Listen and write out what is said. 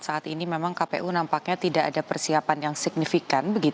saat ini memang kpu nampaknya tidak ada persiapan yang signifikan